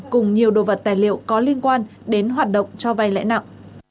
cùng nhiều đồ vật tài liệu có liên quan đến hoạt động cho vay lãi nặng